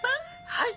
はい。